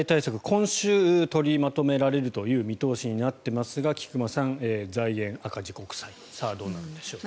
今週、取りまとめられるという見通しになっていますが菊間さん、財源、赤字国債さあ、どうなるんでしょう。